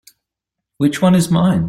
Which one is mine?